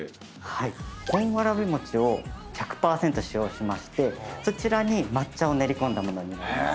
はい本わらび餅を１００％使用しましてそちらに抹茶を練り込んだものに。